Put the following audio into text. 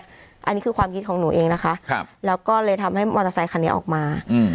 อันนี้คือความคิดของหนูเองนะคะแล้วก็เลยทำให้มอเตอร์ไซคันนี้ออกมา